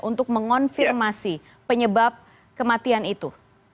untuk mengonfirmasi penyebab kematian itu